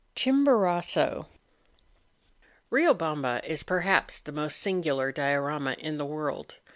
Eiobamba is perhaps the most singular diorama in the world.